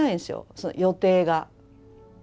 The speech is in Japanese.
その予定が。